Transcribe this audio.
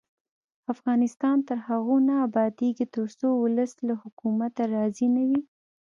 افغانستان تر هغو نه ابادیږي، ترڅو ولس له حکومته راضي نه وي.